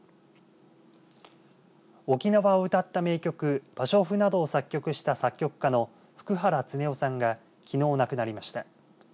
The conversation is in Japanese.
沖縄を歌った名曲芭蕉布などを作曲した作曲家の普久原恒勇さんがきのう亡くなりました。